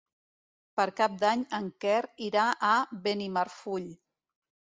Per Cap d'Any en Quer irà a Benimarfull.